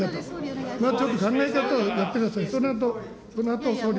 ちょっと考えてやってください。